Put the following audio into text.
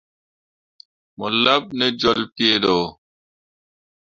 Mo laɓ ne jolle pii ɗo.